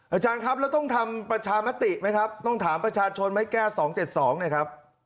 อาจารย์ครับแล้วต้องทำประชามติไหมครับต้องถามประชาชนไหมแก้๒๗๒เนี่ยครับ